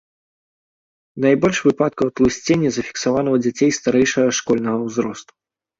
Найбольш выпадкаў атлусцення зафіксавана ў дзяцей старэйшага школьнага ўзросту.